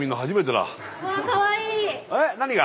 えっ何が？